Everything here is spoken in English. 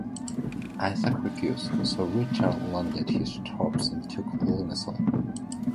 Isaac refused, so Richard landed his troops and took Limassol.